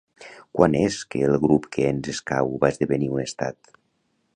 Quan és que el grup que ens escau va esdevenir un estat?